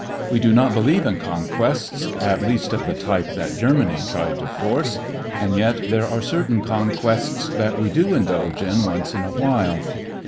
We do not believe in conquests at least of the type that Germany tried to force and yet there are certain conquests that we do indulge in once in a while.